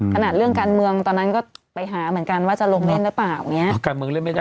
ขณะเรื่องการเมืองตอนนั้นก็ไปหาเหมือนกันว่าจะลงเท่านั้นหรือเปล่า